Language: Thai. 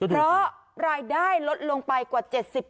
เพราะรายได้ลดลงไปกว่า๗๐